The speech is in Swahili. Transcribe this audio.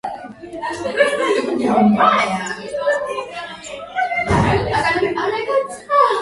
ndipo alipokuwa mwanaharakati wa siasa na kuimarisha ujuzi wake wa kuzungumza hadharani